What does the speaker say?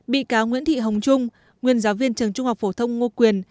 bị cáo nguyễn thị hồng trung nguyên giáo viên trường trung học phổ thông ngô quyền